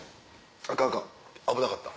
アカンアカン危なかった。